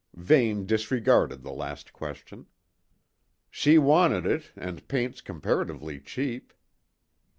Vane disregarded the last question. "She wanted it, and paint's comparatively cheap."